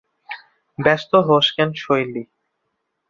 ব্যস্ত হোস কেন শৈল?